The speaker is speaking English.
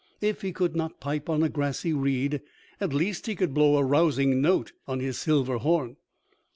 If he could not pipe on a grassy reed, at least he could blow a rousing note on his silver horn.